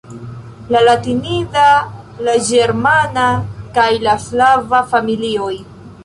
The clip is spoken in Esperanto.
la latinida, la ĝermana kaj la slava familioj.